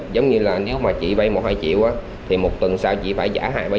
giống như là nếu mà chị vay một hai triệu thì một tuần sau chị phải trả hai ba triệu